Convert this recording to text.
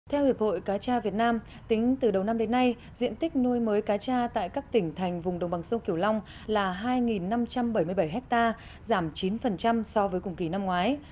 theo hiệp hội cá tra việt nam tính từ đầu năm đến nay diện tích nuôi mới cá tra tại các tỉnh thành vùng đồng bằng sông kiểu long là hai năm trăm bảy mươi bảy ha giảm chín so với cùng kỳ năm ngoái